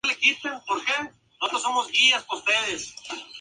La Crucifixión de Cristo sería una representación del amor de Dios por la Humanidad.